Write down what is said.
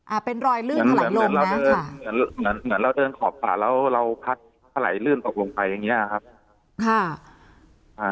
อ่าเป็นรอยลืดทะไหลลงนะค่ะเหมือนเหมือนเหมือนเราเดินขอบป่าแล้วเราพัดทะไหลลื่นตกลงไปอย่างเงี้ยครับค่ะ